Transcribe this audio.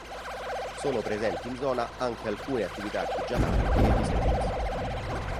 Sono presenti in zona anche alcune attività artigianali e di servizio.